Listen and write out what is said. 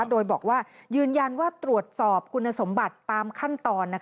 โดยบอกว่ายืนยันว่าตรวจสอบคุณสมบัติตามขั้นตอน